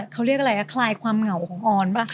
เขาเรียกอะไรคลายความเหงาของออนป่ะ